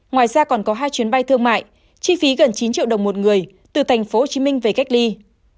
ngoài ra còn có hai chuyến bay thương mại chi phí gần chín triệu đồng một người từ tp hcm về cách ly